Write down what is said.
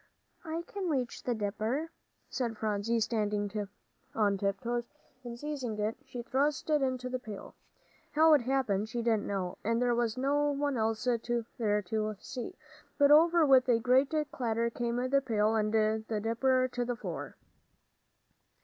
"I can reach the dipper," said Phronsie, standing on tiptoes, and seizing it, she thrust it into the pail. How it happened, she didn't know, and there was no one else there to see, but over with a great clatter came the pail and the dipper to the floor.